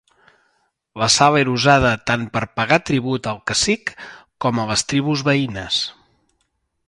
La sal era usada tant per pagar tribut al cacic com a les tribus veïnes.